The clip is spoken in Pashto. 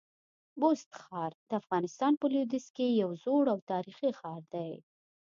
بست ښار د افغانستان په لودیځ کي یو زوړ او تاریخي ښار دی.